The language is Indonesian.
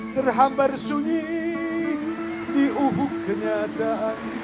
terhambar sunyi di uhub kenyataan